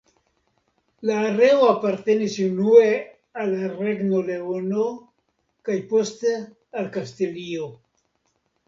La areo apartenis unue al la Regno Leono kaj poste al Kastilio.